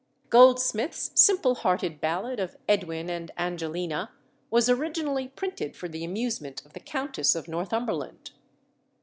Goldsmith's simple hearted ballad of Edwin and Angelina was originally "printed for the amusement of the Countess of Northumberland."